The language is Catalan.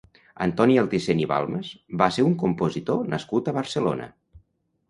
Antoni Altisent i Balmas va ser un compositor nascut a Barcelona.